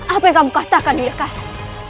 apa yang kamu katakan yudhakara